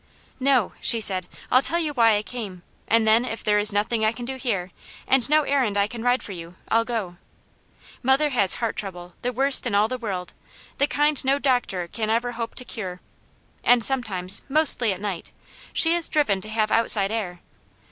"No," she said. "I'll tell you why I came, and then if there is nothing I can do here, and no errand I can ride for you, I'll go. Mother has heart trouble, the worst in all the world, the kind no doctor can ever hope to cure, and sometimes, mostly at night, she is driven to have outside air.